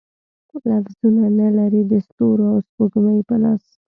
لفظونه، نه لري د ستورو او سپوږمۍ په لاس